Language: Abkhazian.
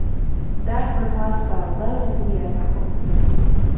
Дарбан уа сбаагәара ду иадхо.